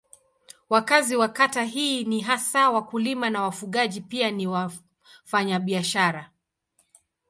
Wakazi wa kata hii ni hasa wakulima na wafugaji pia ni wafanyabiashara.